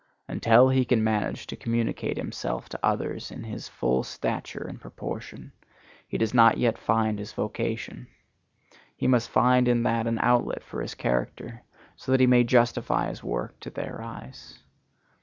Until he can manage to communicate himself to others in his full stature and proportion, he does not yet find his vocation. He must find in that an outlet for his character, so that he may justify his work to their eyes.